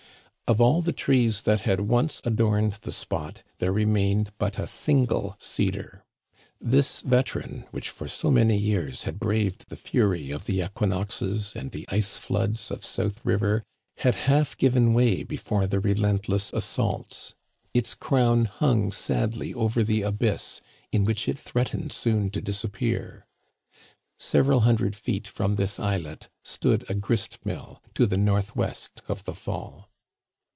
Of all the trees that had opce adorned the spot there remained but a single cedar. This veteran, which for so many years had braved the fury of the equinoxes and the ice floods of South River, had half given way before the relentless assaults. Its crown hung sadly over the abyss in which it threatened soon to disappear. Several hundred feet from this islet stood a grist mill, to the northwest of the fall.